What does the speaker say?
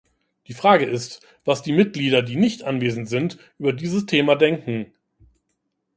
Die Frage ist, was die Mitglieder, die nicht anwesend sind, über dieses Thema denken.